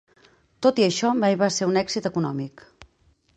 Tot i això, mai va ser un èxit econòmic.